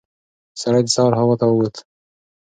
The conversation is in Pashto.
سړی د سهار هوا ته ووت.